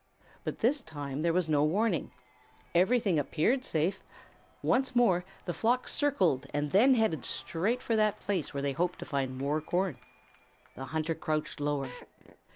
But this time there was no warning. Everything appeared safe. Once more the flock circled and then headed straight for that place where they hoped to find more corn. The hunter crouched lower.